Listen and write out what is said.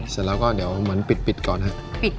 เสร็จแล้วก็เดี๋ยวเหมือนปิดก่อนครับ